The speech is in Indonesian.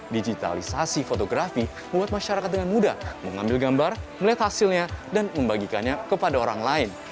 digitalisasi fotografi membuat masyarakat dengan mudah mengambil gambar melihat hasilnya dan membagikannya kepada orang lain